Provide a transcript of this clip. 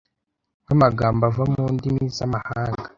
Nk’amagambo ava mu ndimi z’amahanga